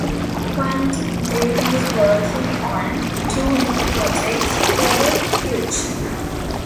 Quantic Dream is working on two new projects for the future.